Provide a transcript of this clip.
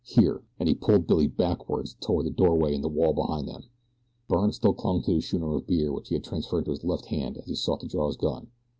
Here," and he pulled Billy backward toward the doorway in the wall behind them. Byrne still clung to his schooner of beer, which he had transferred to his left hand as he sought to draw his gun.